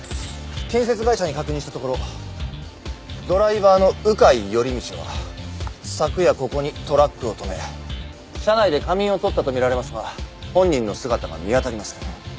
建設会社に確認したところドライバーの鵜飼頼道は昨夜ここにトラックを止め車内で仮眠をとったとみられますが本人の姿が見当たりません。